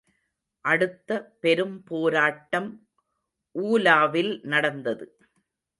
அடுத்த பெரும்போராட்டம் ஊலாவில் நடந்தது.